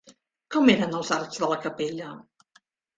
Com eren els arcs de la capella?